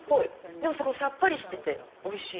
でもさっぱりしてておいしい。